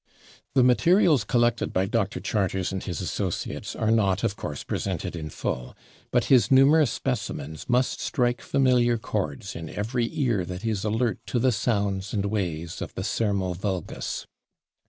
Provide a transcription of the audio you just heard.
The materials collected by Dr. Charters and his associates are not, of course, presented in full, but his numerous specimens must strike familiar chords in every ear that is alert to the sounds and ways of the /sermo vulgus